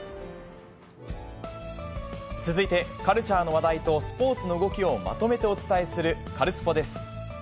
続いて、カルチャーの話題とスポーツの動きをまとめてお伝えするカルスポっ！です。